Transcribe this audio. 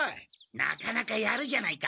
なかなかやるじゃないか。